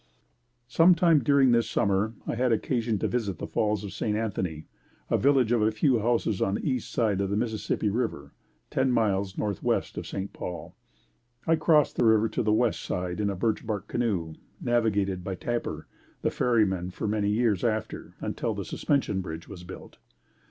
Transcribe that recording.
Some time during this summer, I had occasion to visit the Falls of St. Anthony, a village of a few houses on the east side of the Mississippi River, ten miles Northwest of St. Paul. I crossed the river to the west side in a birch bark canoe, navigated by Tapper, the ferryman for many years after, until the suspension bridge was built.